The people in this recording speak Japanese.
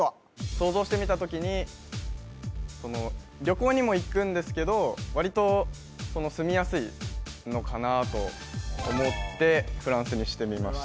想像してみた時に旅行にも行くんですけどわりと住みやすいのかなと思ってフランスにしてみました